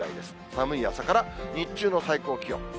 寒い朝から日中の最高気温。